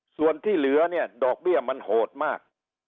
ส่วนที่เหลือเนี่ยดอกเบี้ยมันโหดมาก